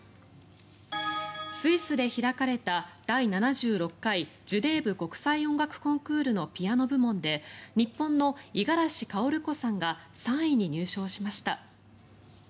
スイスで開かれた第７６回ジュネーブ国際音楽コンクールのピアノ部門で日本の五十嵐薫子さんが３位に入賞しました。